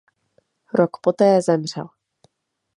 Rok poté zemřel.